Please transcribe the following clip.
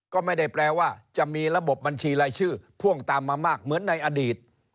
ก็ไม่ได้แปลว่าจะมีระบบบัญชีรายชื่อพ่วงตามมามากเหมือนในอดีต